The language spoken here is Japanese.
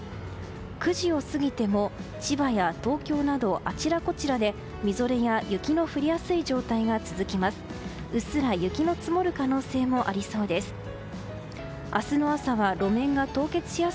９時を過ぎても千葉や東京などあちらこちらでみぞれや雪の降りやすい状態が続きます。